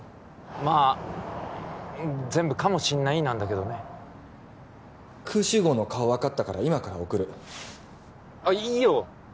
まあ全部「かもしんない」なんだけどねクウシュウゴウの顔分かったから今から送るいいよ